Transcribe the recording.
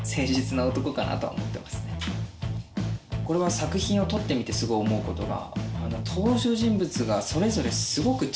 作品を撮ってみてすごい思うことが。